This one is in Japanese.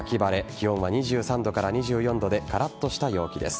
気温は２３度から２４度でカラッとした陽気です。